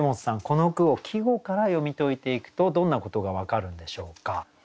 この句を季語から読み解いていくとどんなことが分かるんでしょうか。